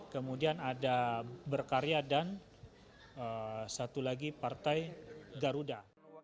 kemudian ada berkarya dan satu lagi partai garuda